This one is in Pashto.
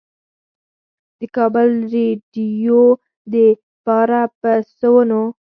د کابل رېډيؤ دپاره پۀ سوونو